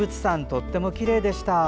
とってもきれいでした。